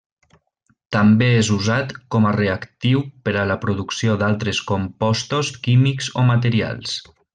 També és usat com a reactiu per a la producció d'altres compostos químics o materials.